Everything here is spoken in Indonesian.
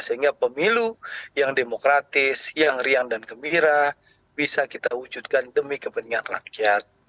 sehingga pemilu yang demokratis yang riang dan gembira bisa kita wujudkan demi kepentingan rakyat